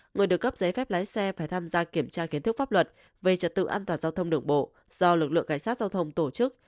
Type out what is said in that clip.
người được cấp giấy phép lái xe phải tham gia kiểm tra kiến thức pháp luật về trật tự an toàn giao thông đường bộ do lực lượng cảnh sát giao thông tổ chức